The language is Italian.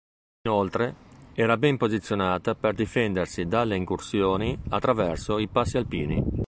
Inoltre, era ben posizionata per difendersi dalle incursioni attraverso i passi alpini.